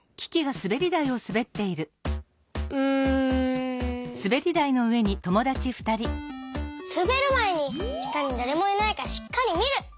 すべるまえにしたにだれもいないかしっかりみる！